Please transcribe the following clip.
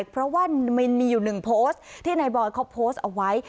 เพราะว่ามันมีอยู่หนึ่งโพสต์ที่นายบอยเขาโพสต์เอาไว้